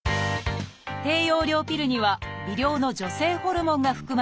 低用量ピルには微量の女性ホルモンが含まれています。